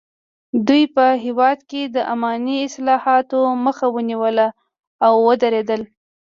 دوی په هېواد کې د اماني اصلاحاتو مخه ونیوله او ودریدل.